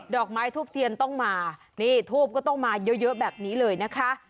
อกไม้ทูบเทียนต้องมานี่ทูบก็ต้องมาเยอะแบบนี้เลยนะคะ